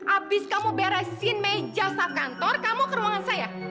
abis kamu beresin meja sakantor kamu ke ruangan saya